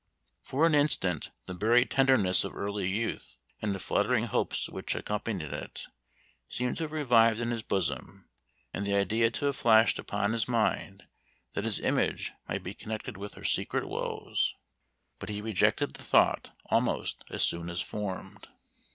For an instant the buried tenderness of early youth and the fluttering hopes which accompanied it, seemed to have revived in his bosom, and the idea to have flashed upon his mind that his image might be connected with her secret woes but he rejected the thought almost as soon as formed.